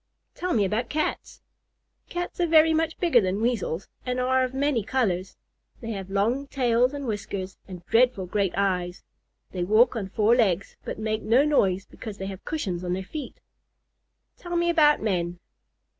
"Tell me about Cats." "Cats are very much bigger than Weasels, and are of many colors. They have long tails and whiskers, and dreadful great eyes. They walk on four legs, but make no noise because they have cushions on their feet." "Tell me about men."